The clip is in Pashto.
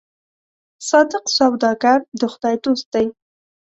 صادق سوداګر د خدای دوست دی.